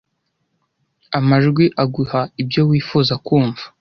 Amajwi aguha ibyo wifuza kumva. "